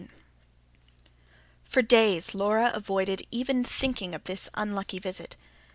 XV. For days Laura avoided even thinking of this unlucky visit.